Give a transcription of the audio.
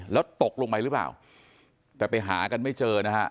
แล้วตกลงไปหรือเปล่าแต่ไปหากันไม่เจอนะฮะ